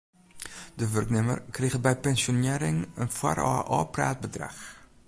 De wurknimmer kriget by pensjonearring in foarôf ôfpraat bedrach.